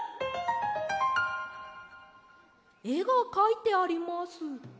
えがかいてあります。